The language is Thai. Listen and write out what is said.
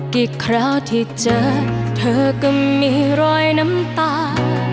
คราวที่เจอเธอก็มีรอยน้ำตา